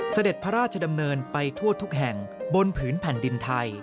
เสด็จพระราชดำเนินไปทั่วทุกแห่งบนผืนแผ่นดินไทย